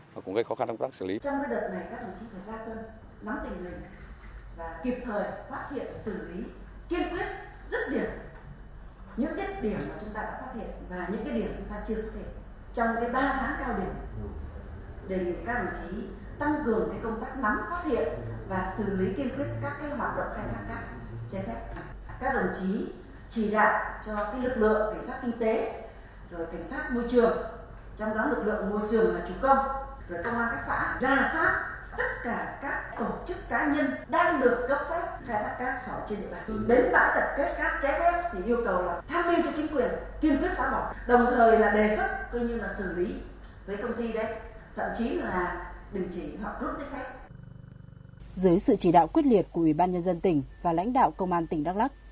dưới sự chỉ đạo quyết liệt của ủy ban nhân dân tỉnh và lãnh đạo công an tỉnh đắk lắc